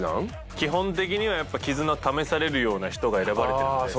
基本的にはやっぱ絆試されるような人が選ばれてるみたいですあ